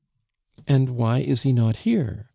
"And why is he not here?"